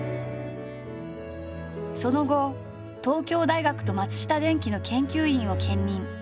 その後東京大学と松下電器の研究員を兼任。